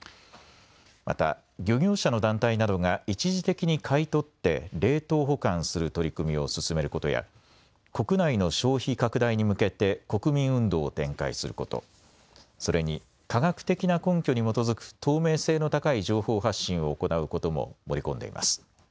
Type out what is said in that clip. また漁業者の団体などが一時的に買い取って冷凍保管する取り組みを進めることや国内の消費拡大に向けて国民運動を展開すること、それに科学的な根拠に基づく透明性の高い情報発信を行うことも盛り込んでいます。